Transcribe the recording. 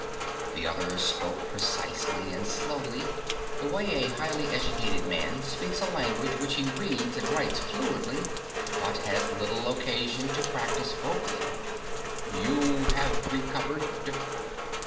The other spoke precisely and slowly, the way a highly educated man speaks a language which he reads and writes fluently but has little occasion to practice vocally. "You have recovered?"